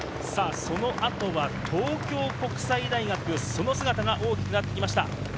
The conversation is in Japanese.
さぁ、その後は東京国際大学、その姿が大きくなってきました。